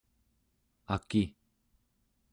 aki